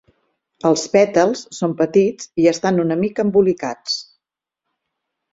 Els pètals són petits i estan una mica embolicats.